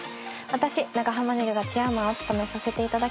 私長濱ねるがチェアマンを務めさせていただきます。